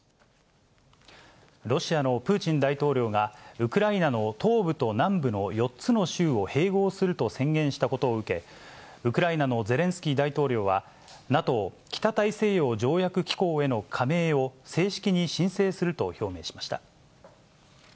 ロシアのプーチン大統領が、ウクライナの東部と南部の４つの州を併合すると宣言したことを受け、ウクライナのゼレンスキー大統領は、ＮＡＴＯ・北大西洋条約機構への加盟を、正式に申請すると表明しました。